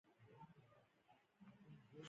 ټاکل شوې چې نوموړی